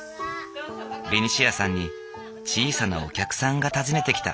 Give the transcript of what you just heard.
ベニシアさんに小さなお客さんが訪ねてきた。